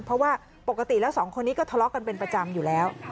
เพราะว่าปกติแล้วสองคนนี้ก็ทะเลาะกันเป็นประจำอยู่แล้ว